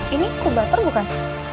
ini kubater bukan